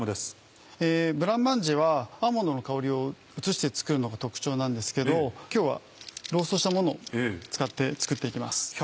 ブラマンジェはアーモンドの香りを移して作るのが特徴なんですけど今日はローストしたものを使って作って行きます。